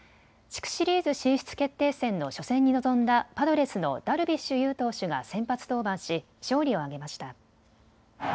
地区シリーズ進出決定戦の初戦に臨んだパドレスのダルビッシュ有投手が先発登板し勝利を挙げました。